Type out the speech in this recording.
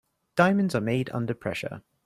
Diamonds are made under pressure.